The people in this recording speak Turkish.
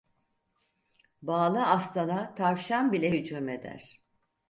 Bağlı aslana tavşan bile hücum eder.